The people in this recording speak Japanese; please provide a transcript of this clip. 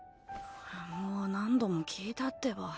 もう何度も聞いたってば。